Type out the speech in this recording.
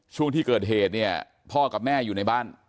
ช่วงที่เกิดเหตุเนี่ยพ่อกับแม่อยู่ในบ้าน